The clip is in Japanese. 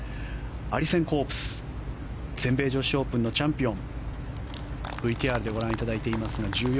アリセン・コープス全米女子オープンのチャンピオン。